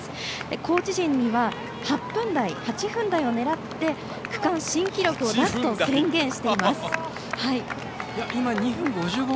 コーチ陣には８分台を狙って区間新記録を出すと宣言しています。